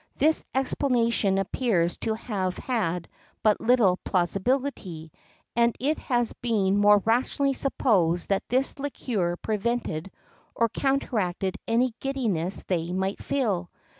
[X 53] This explanation appears to have had but little plausibility, and it has been more rationally supposed that this liquor prevented or counteracted any giddiness they might feel.